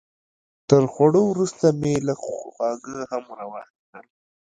تر خوړو وروسته مې لږ خواږه هم راواخیستل.